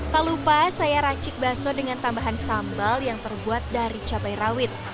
tak lupa saya racik bakso dengan tambahan sambal yang terbuat dari cabai rawit